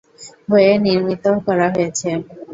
হয়ে নির্মিত করা হয়েছে।